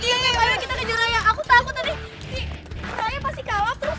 iya iya iya kita ikut raya aku takut tadi raya pasti ke awap terus